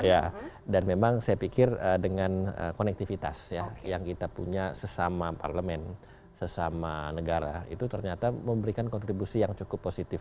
ya dan memang saya pikir dengan konektivitas ya yang kita punya sesama parlemen sesama negara itu ternyata memberikan kontribusi yang cukup positif